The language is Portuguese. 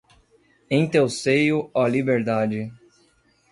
Em teu seio, ó Liberdade